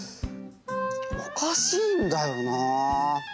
おかしいんだよな。